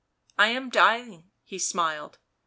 " I am dying," he smiled.